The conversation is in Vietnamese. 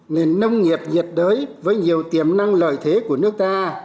nền nông nghiệp nhiệt đới với nhiều tiềm năng lợi thế của nước ta